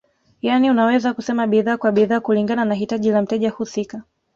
Yani unaweza kusema bidhaa kwa bidhaa kulingana na hitaji la mteja husika